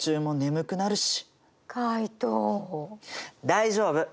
大丈夫。